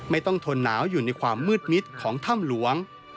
ทนหนาวอยู่ในความมืดมิดของถ้ำหลวง